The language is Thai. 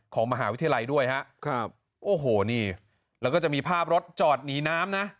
ของมหาวิทยาลัยด้วยฮะครับโอ้โหนี่แล้วก็จะมีภาพรถจอดหนีน้ำนะ